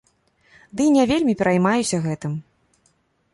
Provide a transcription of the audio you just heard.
Ды і не вельмі пераймаюся гэтым.